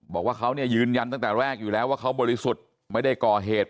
บอกว่าเขาเนี่ยยืนยันตั้งแต่แรกอยู่แล้วว่าเขาบริสุทธิ์ไม่ได้ก่อเหตุ